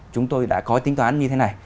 chúng tôi đã có tính toán như thế này